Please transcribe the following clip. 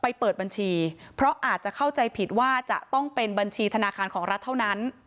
เปิดบัญชีเพราะอาจจะเข้าใจผิดว่าจะต้องเป็นบัญชีธนาคารของรัฐเท่านั้น